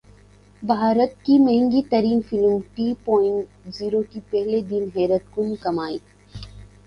بھارت کی مہنگی ترین فلم ٹو پوائنٹ زیرو کی پہلے دن حیران کن کمائی